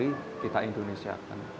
dari negeri kita indonesia